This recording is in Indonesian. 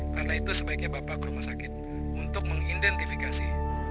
karena itu sebaiknya bapak rumah sakit untuk mengidentifikasi